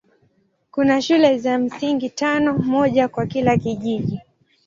Kuna shule za msingi tano, moja kwa kila kijiji.